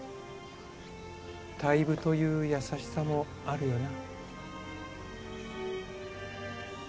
退部という優しさもあるよな。